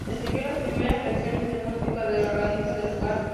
Recibió las primeras lecciones de música del organista del lugar.